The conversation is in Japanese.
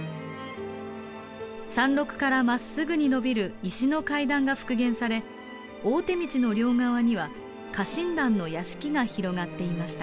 山麓からまっすぐに延びる石の階段が復元され大手道の両側には家臣団の屋敷が広がっていました。